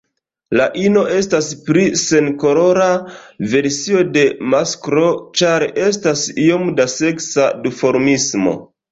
La ino estas pli senkolora versio de masklo, ĉar estas iom da seksa duformismo.